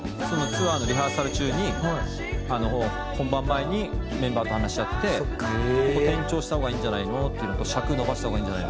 「そのツアーのリハーサル中に本番前にメンバーと話し合ってここ転調した方がいいんじゃないのっていうのと尺伸ばした方がいい」